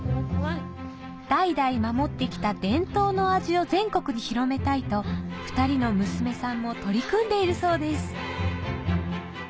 代々守ってきた伝統の味を全国に広めたいと２人の娘さんも取り組んでいるそうです